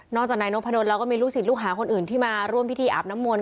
จากนายนพดลแล้วก็มีลูกศิษย์ลูกหาคนอื่นที่มาร่วมพิธีอาบน้ำมนต